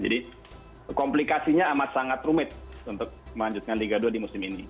jadi komplikasinya amat sangat rumit untuk melanjutkan liga dua di musim ini